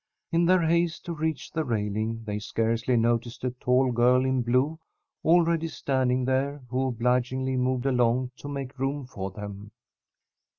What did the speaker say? In their haste to reach the railing, they scarcely noticed a tall girl in blue, already standing there, who obligingly moved along to make room for them.